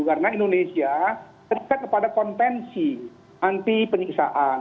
karena indonesia terdekat kepada kontensi anti penyiksaan